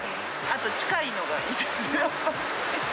あと近いのがいいですね。